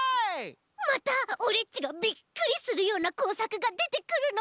またオレっちがびっくりするようなこうさくがでてくるのかな？